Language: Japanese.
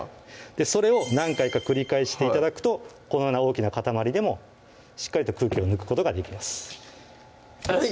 それを何回か繰り返して頂くとこのような大きな塊でもしっかりと空気を抜くことができますあい！